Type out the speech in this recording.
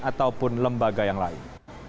ataupun lembaga yang lain